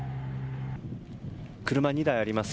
車２台あります。